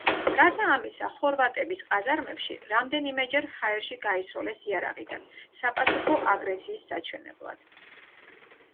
გარდა ამისა, ხორვატების ყაზარმებში რამდენიმეჯერ ჰაერში გაისროლეს იარაღიდან საპასუხო აგრესიის საჩვენებლად.